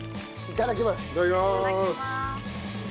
いただきます。